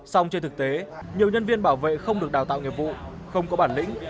xong trên thực tế nhiều nhân viên bảo vệ không được đào tạo nghiệp vụ không có bản lĩnh